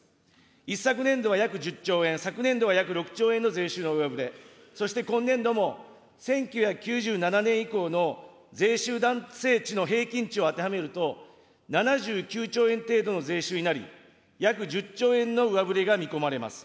一昨年は約１０兆円、昨年度は約６兆円の税収の上振れ、そして今年度も１９９７年以降の、税収弾性値の平均値を当てはめると、７９兆円程度の税収になり、約１０兆円の上振れが見込まれます。